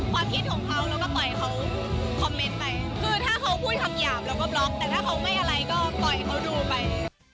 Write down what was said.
ไม่อะไรก็ปล่อยเขาดูไป